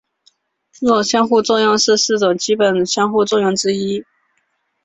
弱相互作用是四种基本相互作用之一。